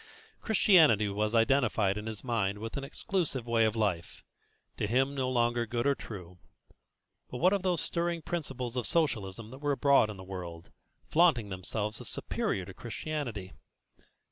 Christianity was identified in his mind with an exclusive way of life, to him no longer good or true; but what of those stirring principles of Socialism that were abroad in the world, flaunting themselves as superior to Christianity?